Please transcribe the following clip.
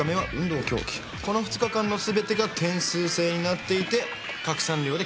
この２日間の全てが点数制になっていて各３寮で競うんだ。